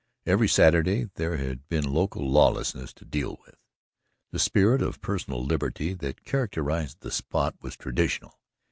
Every Saturday there had been local lawlessness to deal with. The spirit of personal liberty that characterized the spot was traditional.